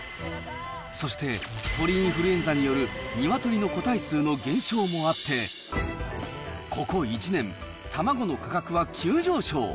そして、鳥インフルエンザによる鶏の個体数の減少もあって、ここ１年、卵の価格は急上昇。